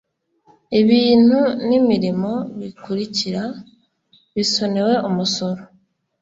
ibintu n imirimo bikurikira bisonewe umusoro